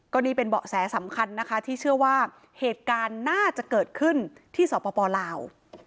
ก็นี่เป็นเบาะแสสำคัญนะคะที่เชื่อว่าเหตุการณ์น่าจะเกิดขึ้นที่สปลาว